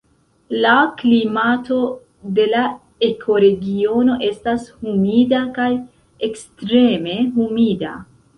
La klimato de la ekoregiono estas humida kaj ekstreme humida.